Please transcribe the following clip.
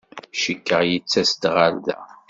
Cikkeɣ yettas-d ɣer da.